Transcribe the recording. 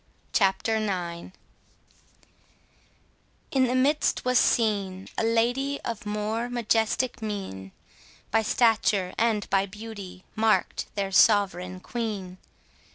CHAPTER IX ——In the midst was seen A lady of a more majestic mien, By stature and by beauty mark'd their sovereign Queen.